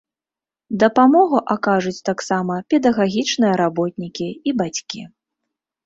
Дапамогу акажуць таксама педагагічныя работнікі і бацькі.